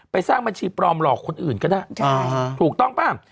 สร้างบัญชีปลอมหลอกคนอื่นก็ได้ถูกต้องป่ะ